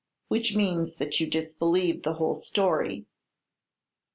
"Which means, that you disbelieve the whole story."